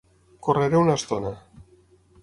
Correré una estona.